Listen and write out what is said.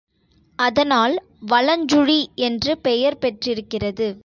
அதனால் வலஞ்சுழி என்று பெயர் பெற்றிருக்கிறது.